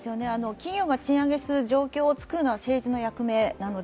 企業が賃上げする状況を作るのは政治の役目なので。